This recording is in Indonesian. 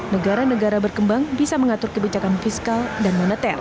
negara negara berkembang bisa mengatur kebijakan fiskal dan moneter